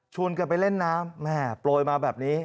ชวนกันไปเร่นน้ำปลอยมาแบบนี้